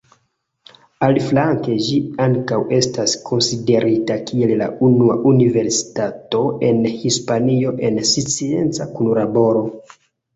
Aliflanke, ĝi ankaŭ estas konsiderita kiel la unua universitato en Hispanio en scienca kunlaboro.